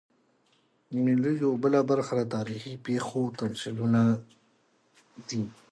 د مېلو یوه بله برخه د تاریخي پېښو تمثیلونه دي.